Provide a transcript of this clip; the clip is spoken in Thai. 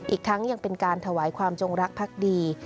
อีกทั้งยังเป็นการถวายความจงรักพักดี